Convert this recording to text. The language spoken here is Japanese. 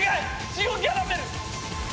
塩キャラメル！